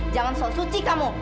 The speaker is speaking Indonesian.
jangan sok suci kamu